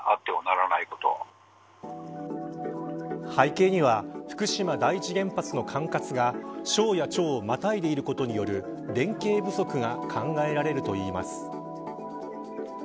背景には福島第一原発の管轄が省や庁をまたいでいることによる連携不足が考えられるといいます。